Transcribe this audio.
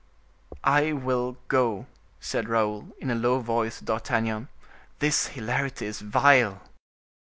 "I will go," said Raoul, in a low voice, to D'Artagnan; "this hilarity is vile!"